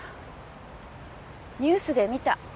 ニュースで見た。